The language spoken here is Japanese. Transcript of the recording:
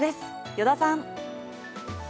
依田さん。